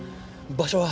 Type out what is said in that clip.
場所は。